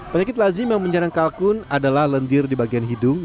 penyakit lazim yang menyerang kalkun adalah lendir di bagian hidung